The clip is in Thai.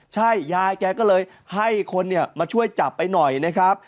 ใช่ยายแกก็เลยให้คนมาช่วยจับไปหน่อยนะครับ